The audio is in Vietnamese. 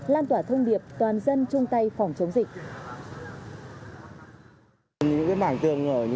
lan tỏa thông điệp toàn dân chung tay phòng chống dịch